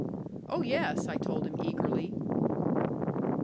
"Oh, yes," I told him eagerly.